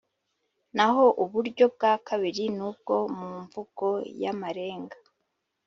naho uburyo bwa kabiri n’ubwo mu mvugo y’amarenga